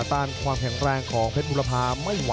ต้านความแข็งแรงของเพชรบุรภาษณ์มึงไม่ไหวนะครับ